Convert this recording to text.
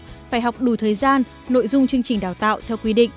phải học đủ thời gian nội dung chương trình đào tạo theo quy định